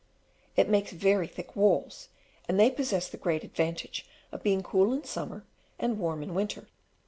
It makes very thick walls, and they possess the great advantage of being cool in summer and warm in winter.